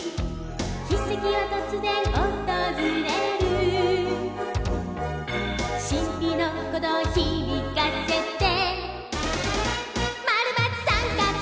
「奇跡はとつぜんおとずれる」「しんぴのこどうひびかせて」「○×△」